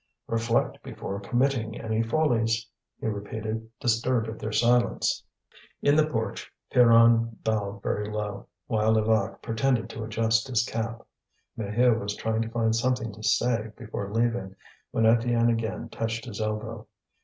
"Reflect before committing any follies," he repeated, disturbed at their silence. In the porch Pierron bowed very low, while Levaque pretended to adjust his cap. Maheu was trying to find something to say before leaving, when Étienne again touched his elbow.